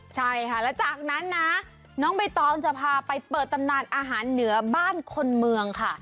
ใช่ค่ะแล้วจากนั้นนะน้องใบตองจะพาไปเปิดตำนานอาหารเหนือบ้านคนเมืองค่ะ